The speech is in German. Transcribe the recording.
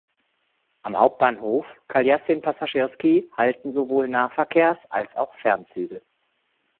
Am Hauptbahnhof "Kaljasin-Passaschirski" halten sowohl Nahverkehrs- als auch Fernzüge.